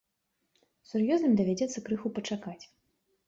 Сур'ёзным давядзецца крыху пачакаць.